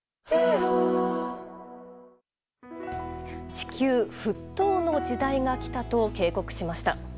地球沸騰の時代が来たと警告しました。